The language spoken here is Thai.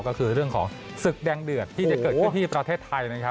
ก็คือเรื่องของศึกแดงเดือดที่จะเกิดขึ้นที่ประเทศไทยนะครับ